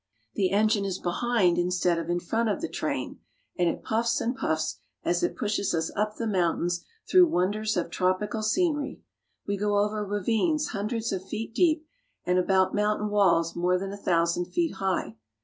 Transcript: The engine is behind instead of in front of the train, and it puffs and puffs as it pushes us up the mountains through wonders of tropical scenery. We go over ravines hundreds of feet deep, and about mountain walls more than a thou sand feet high.